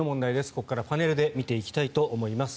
ここからパネルで見ていきたいと思います。